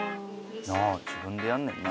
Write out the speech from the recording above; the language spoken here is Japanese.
なあ自分でやんねんな。